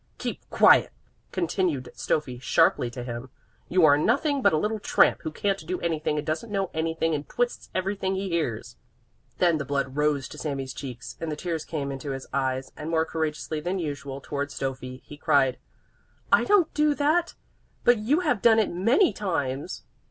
'" "Keep quiet!" continued Stöffi sharply to him. "You are nothing but a little tramp, who can't do anything and doesn't know anything and twists everything he hears." Then the blood rose to Sami's cheeks and the tears came into his eyes and, more courageously than usual towards Stöffi, he cried: "I don't do that, but you have done it many times!"